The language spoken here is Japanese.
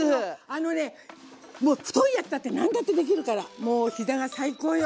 あのね太いやつだって何だってできるからもう膝が最高よ！